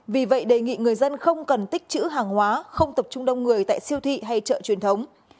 vì vậy đề nghị người dân không cần tích chữ hàng hóa không tập trung đông người tại siêu thị hay chợ truyền thống